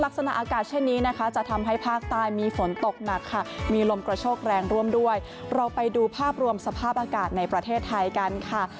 ลักษณะอากาศเช่นนี้นะคะจะทำให้ภาคใต้มีฝนตกหนักค่ะมีลมกระโชกแรงร่วมด้วยเราไปดูภาพรวมสภาพอากาศในประเทศไทยกันค่ะ